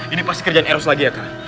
ini pasti kerjaan eros lagi ya kak